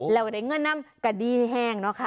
แล้วในเงื่อนน้ำกระดี้แห้งนะคะ